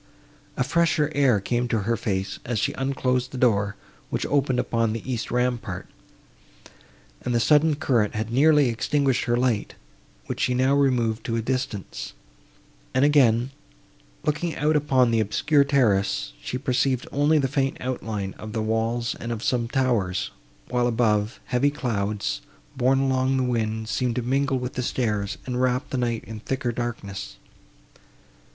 A fresher air came to her face, as she unclosed the door, which opened upon the east rampart, and the sudden current had nearly extinguished her light, which she now removed to a distance; and again, looking out upon the obscure terrace, she perceived only the faint outline of the walls and of some towers, while, above, heavy clouds, borne along the wind, seemed to mingle with the stars, and wrap the night in thicker darkness.